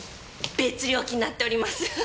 別料金になっておりますウフフ。